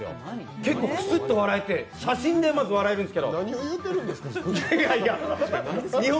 結構クスッと笑えて、写真でまず笑えるんですけど。